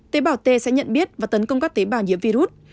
tế bảo t sẽ nhận biết và tấn công các tế bảo nhiễm virus